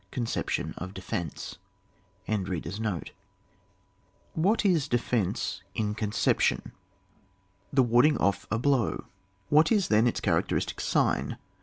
1. — Conception of Defence* What is defence in conception? The warding off a blow. What is then its characteristic fiign?